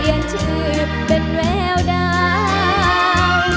ที่คือเป็นแววดาว